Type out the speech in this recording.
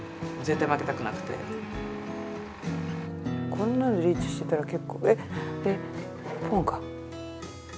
こんなのリーチしてたら結構えっ？えポンか。